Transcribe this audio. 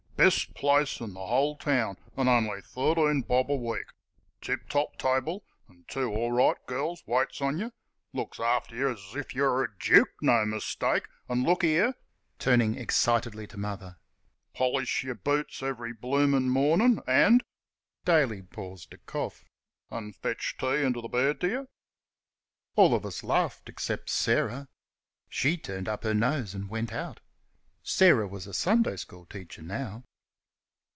Best place in th' whole town, an' on'y thirteen bob a week. Tip top table and two all right girls waits on y'. Look after yer as if y' wer' a juke; no mistake; an' look here" (turning excitedly to Mother) "polish yer boots every bloomin' mornin', and" (Daly paused to cough) "an' fetch tea inter th' bed t' y'!" All of us laughed, except Sarah. She turned up her nose and went out. Sarah was a Sunday school teacher now.